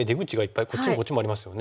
こっちもこっちもありますよね。